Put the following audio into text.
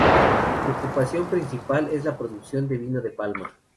Su ocupación principal es la producción de vino de palma.